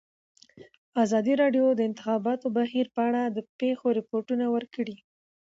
ازادي راډیو د د انتخاباتو بهیر په اړه د پېښو رپوټونه ورکړي.